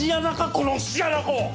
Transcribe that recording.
このフシアナコ！